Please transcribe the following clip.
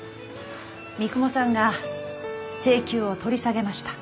三雲さんが請求を取り下げました。